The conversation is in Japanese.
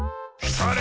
それ！